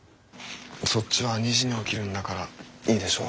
そっちは２時に起きるんだからいいでしょう。